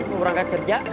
mau berangkat kerja